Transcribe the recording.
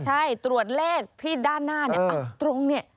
ใช่ตรวจเลขที่ด้านหน้าเนี่ยตรงนี้